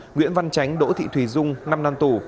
nguyễn văn tránh đỗ thị thùy dung năm năm tù